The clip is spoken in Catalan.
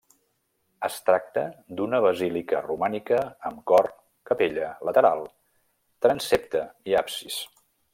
Es tracta d'una basílica romànica amb cor, capella lateral, transsepte i absis.